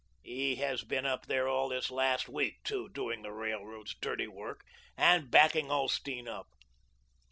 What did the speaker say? He has been up there all this last week, too, doing the railroad's dirty work, and backing Ulsteen up.